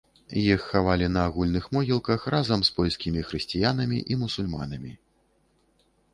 Іх хавалі на агульных могілках разам з польскімі хрысціянамі і мусульманамі.